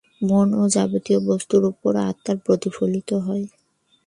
মন ও যাবতীয় বস্তুর উপর আত্মা প্রতিফলিত হয়।